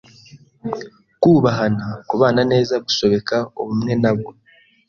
kubahana kubana neza, gusobeka ubumwe nabwo